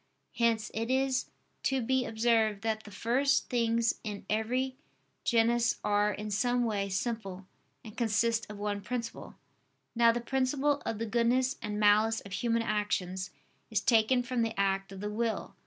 Hence it is to be observed that the first things in every genus, are, in some way, simple and consist of one principle. Now the principle of the goodness and malice of human actions is taken from the act of the will.